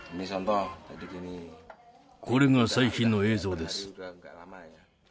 これが最近の映像です。